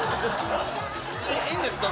いいんですか？